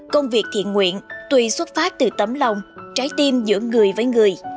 công việc thiện nguyện tuy xuất phát từ tấm lòng trái tim giữa người với người